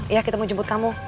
ya kita mau jemput kamu